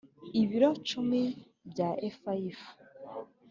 ibiro cumi bya efa y ifu